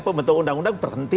pembentuk undang undang berhenti